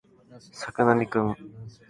作並くん